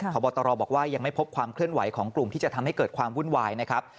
พบตรบอกว่ายังไม่พบความเคลื่อนไหวของกลุ่มที่จะทำให้เกิดความวุ่นวายนะครับ